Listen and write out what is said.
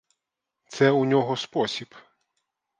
Це у нього спосіб.